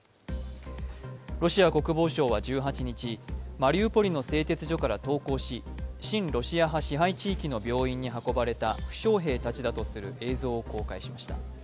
ロシア国防省は１８日、マリウポリの製鉄所から投降し親ロシア派支配地域の病院に運ばれた負傷兵たちだとする映像を公開しました。